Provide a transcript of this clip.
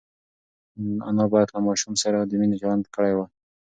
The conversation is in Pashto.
انا باید له ماشوم سره د مینې چلند کړی وای.